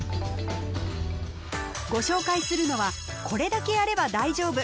ご紹介するのはこれだけやれば大丈夫！